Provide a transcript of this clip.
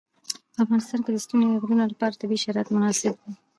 په افغانستان کې د ستوني غرونه لپاره طبیعي شرایط مناسب دي.